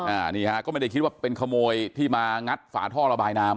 อันนี้ฮะก็ไม่ได้คิดว่าเป็นขโมยที่มางัดฝาท่อระบายน้ำ